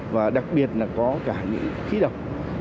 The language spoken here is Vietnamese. và đặc biệt là có cả những khí độc